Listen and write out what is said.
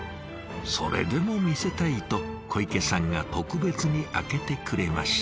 それでも見せたいと小池さんが特別に開けてくれました。